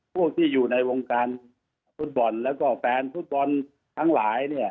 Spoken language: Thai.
พวกที่อยู่ในวงการฟุตบอลแล้วก็แฟนฟุตบอลทั้งหลายเนี่ย